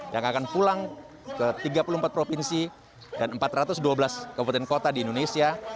yang akan pulang ke tiga puluh empat provinsi dan empat ratus dua belas kabupaten kota di indonesia